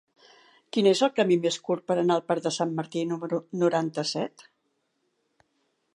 Quin és el camí més curt per anar al parc de Sant Martí número noranta-set?